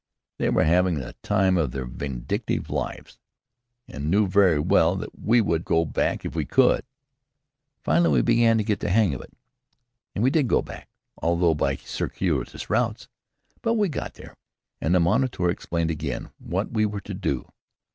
They were having the time of their vindictive lives, and knew very well that we would go back if we could. Finally we began to get the hang of it, and we did go back, although by circuitous routes. But we got there, and the moniteur explained again what we were to do.